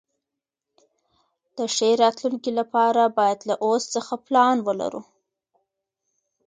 د ښې راتلونکي لپاره باید له اوس څخه پلان ولرو.